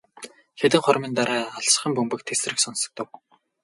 Хэдэн хормын дараа алсхан бөмбөг тэсрэх сонсогдов.